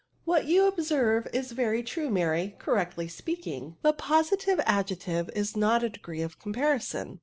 '*" What you observe is very true, Maiy ; correctly speaking, the positive adjective is not a degree of comparison."